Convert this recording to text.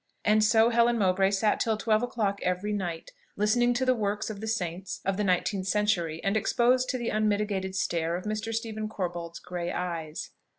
And so Helen Mowbray sat till twelve o'clock every night, listening to the works of the saints of the nineteenth century, and exposed to the unmitigated stare of Mr. Stephen Corbold's grey eyes.